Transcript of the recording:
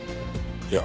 いや。